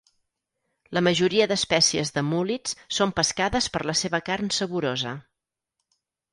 La majoria d'espècies de múl·lids són pescades per la seva carn saborosa.